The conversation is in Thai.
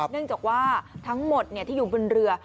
เนื่องจากว่าทั้งหมดที่อยู่บนเรือ